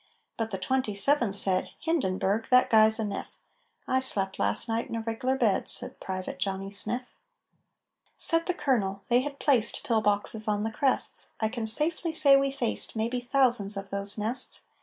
But the 27th said, 'Hindenburg! That guy's a myth!'" "I slept last night in a reg'lar bed," Said Private Johnny Smith. Said the Colonel: "They had placed Pillboxes on the crests. I can safely say we faced Maybe thousands of those nests.